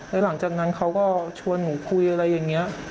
แล้วหลังจากนั้นเขาก็ชวนหนูคุยอะไรอย่างนี้